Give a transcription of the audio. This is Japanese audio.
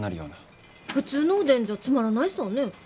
普通のおでんじゃつまらないさぁねぇ？